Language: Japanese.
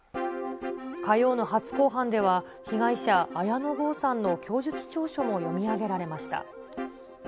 火曜の初公判では、被害者、綾野剛さんの供述調書も読み上げられました。